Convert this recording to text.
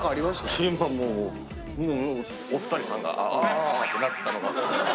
今もうお二人さんが「あ！」ってなってたのが一緒！